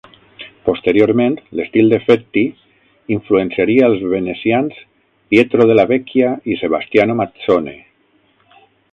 Posteriorment, l'estil de Fetti influenciaria els venecians Pietro della Vecchia i Sebastiano Mazzone.